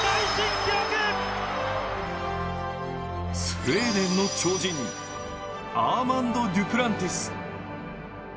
スウェーデンの超人、アーマンド・デュプランティス。